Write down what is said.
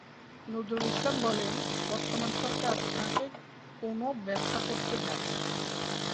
নজরুল ইসলাম বলেন, বর্তমান সরকার তাঁকে কোনো ব্যবসা করতে দেয় না।